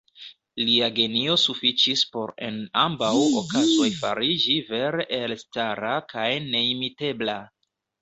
Lia genio sufiĉis por en ambaŭ okazoj fariĝi vere elstara kaj neimitebla.